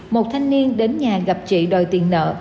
một thanh niên đến nhà gặp chị đòi tiền nợ